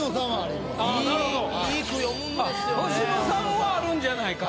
星野さんはあるんじゃないか。